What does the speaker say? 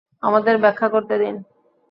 আমাদের ব্যাখ্যা করতে দিন।